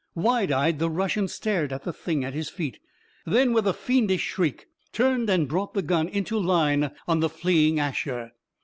Wide eyed, the Russian stared at the thing at his feet. Then, with a fiendish shriek, turned and brought the gun into line on the fleeing Asher.